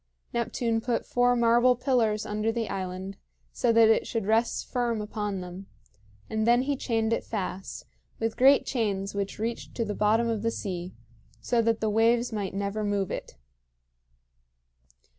Neptune put four marble pillars under the island so that it should rest firm upon them; and then he chained it fast, with great chains which reached to the bottom of the sea, so that the waves might never move it.